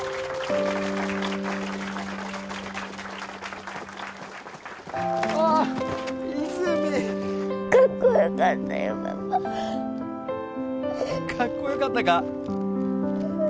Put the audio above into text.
パパかっこよかったか？